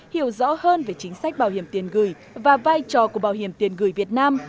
hiểu rõ hơn về chính sách bảo hiểm tiền gửi và vai trò của bảo hiểm tiền gửi việt nam